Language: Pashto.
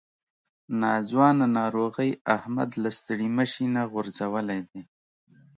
ناځوانه ناروغۍ احمد له ستړي مشي نه غورځولی دی.